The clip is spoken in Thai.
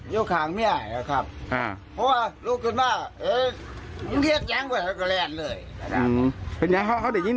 อยู่ข้างมี่ไหวแล้วครับอ่าเฮ้ย